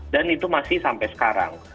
dan itu masih sampai sekarang